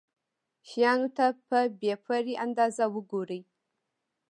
شيانو ته په بې پرې انداز وګوري.